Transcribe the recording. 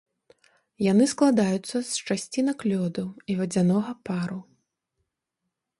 Яны складаюцца з часцінак лёду і вадзянога пару.